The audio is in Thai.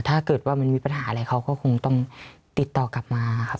ถ้าเกิดว่ามันมีปัญหาอะไรเขาก็คงต้องติดต่อกลับมาครับ